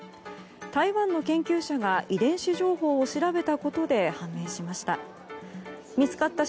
台湾の研究者が遺伝子情報を調べたことで判明しました。